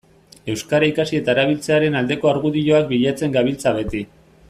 Euskara ikasi eta erabiltzearen aldeko argudioak bilatzen gabiltza beti.